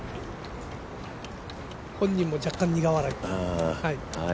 本人も若干、苦笑い。